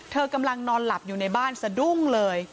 กำลังนอนหลับอยู่ในบ้านสะดุ้งเลย